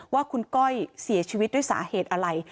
ว่าคุณก้อยเสียชีวิตด้วยสาเหตุอะไร